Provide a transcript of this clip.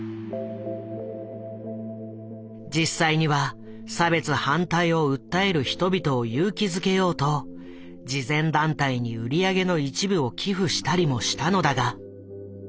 実際には差別反対を訴える人々を勇気づけようと慈善団体に売り上げの一部を寄付したりもしたのだが。